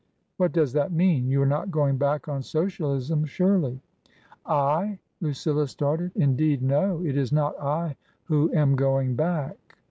"What does that mean? You are not going back on Socialism, surely !"" I !" Lucilla started. " Indeed, no. It is not I who am going back."